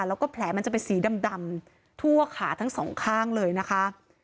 แล้วก็แผลมันจะเป็นสีดำทั่วขาทั้งสองข้างเลยนะคะ